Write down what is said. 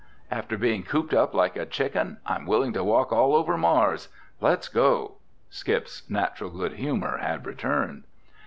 "After being cooped up like a chicken, I'm willing to walk all over Mars. Let's go." Skip's natural good humor had returned.